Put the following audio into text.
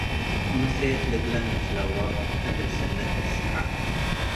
ምሴት ለእለ ንትለወቅ - እግል ስነት ንሰሐቀ